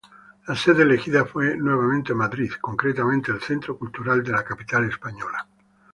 La sede elegida fue nuevamente Madrid; concretamente el centro cultural de la capital española.